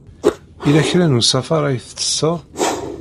Yella kra n usafar ay tettessed?